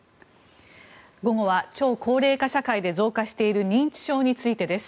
午後は超高齢化社会で増加している認知症についてです。